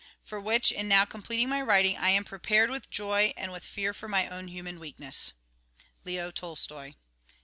For which, in now completing my writing, I am prepared, with joy, and with fear for my own human weakness.